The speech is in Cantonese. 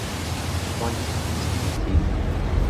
歸心似箭